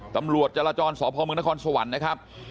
ตำรวจจราจรสพมนครสวรรค์นะครับ